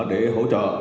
để hỗ trợ